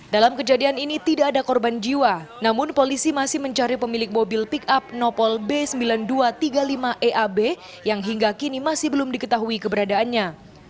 dalam kejadian ini tidak ada korban jiwa namun polisi masih mencari pemilik mobil pick up nopol b sembilan ribu dua ratus tiga puluh lima eab yang hingga kini masih belum diketahui keberadaannya